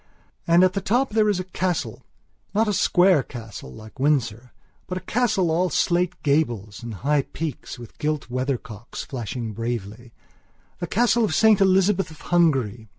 And at the top there is a castlenot a square castle like Windsor, but a castle all slate gables and high peaks with gilt weathercocks flashing bravelythe castle of St Elizabeth of Hungary.